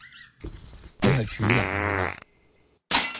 你係處男嚟㗎？